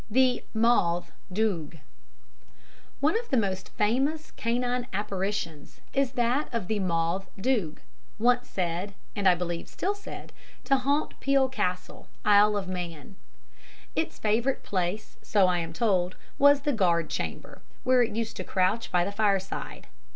"The Mauthe Doog" One of the most famous canine apparitions is that of the "Mauthe Doog," once said and, I believe, still said to haunt Peel Castle, Isle of Man. Its favourite place, so I am told, was the guard chamber, where it used to crouch by the fireside.